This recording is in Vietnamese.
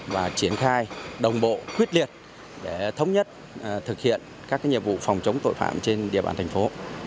và triển khai đồng bộ quyết liệt để thống nhất thực hiện các nhiệm vụ phòng chống tội phạm trên địa bàn thành phố